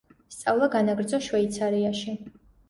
სწავლა განაგრძო შვეიცარიაში.